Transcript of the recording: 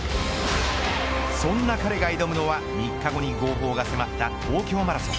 そんな彼が挑むのは、３日後に号砲が迫った東京マラソン。